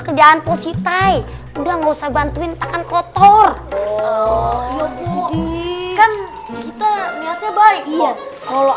kerjaan positai udah nggak usah bantuin takkan kotor oh iya kan kita lihatnya baik iya kalau